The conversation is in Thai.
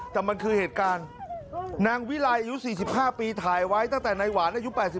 แต่มันคือเหตุการณ์นางวิลัยอายุ๔๕ปีถ่ายไว้ตั้งแต่ในหวานอายุ๘๒